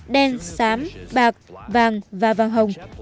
đen sám bạc vàng và vàng hồng